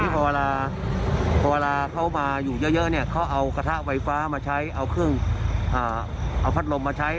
พอเวลาเข้ามาอยู่เยอะเนี่ยเขาเอากระทะไวฟ้ามาใช้เอาพัดลมมาใช้